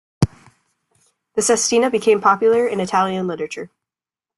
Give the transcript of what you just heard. The "sestina" became popular in Italian literature.